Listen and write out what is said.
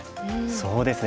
そうですね。